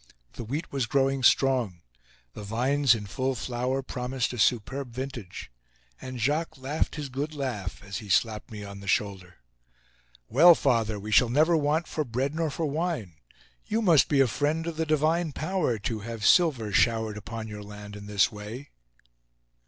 The wheat was growing strong; the vines, in full flower, promised a superb vintage. And Jacques laughed his good laugh as he slapped me on the shoulder. "Well, father, we shall never want for bread nor for wine. You must be a friend of the Divine Power to have silver showered upon your land in this way."